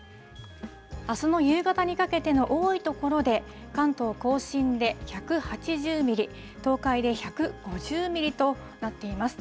あすの夕方にかけての多い所で、関東甲信で１８０ミリ、東海で１５０ミリとなっています。